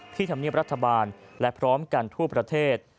ที่ทำเนื่องรัฐบาลและพร้อมกันทั่วประเทศ